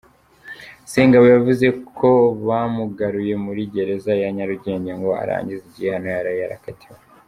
Sengabo yavuze ko bamugaruye muri Gereza ya Nyarugenge ngo arangize igihano yari yarakatiwe.